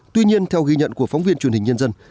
tuy nhiên theo ghi nhận của phóng viên truyền hình nhân dân